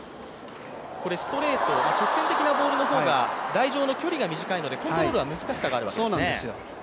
これストレート、直線的なボールの方が、台上で短いので、コントロールは難しさがあるわけですね。